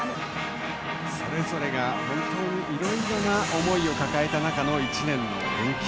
それぞれが本当にいろいろな思いを抱えた中の１年の延期。